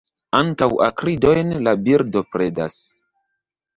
Ankaŭ akridojn la birdo predas.